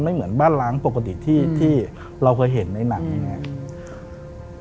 เหมือนบ้านล้างปกติที่เราเคยเห็นในหนังอย่างนี้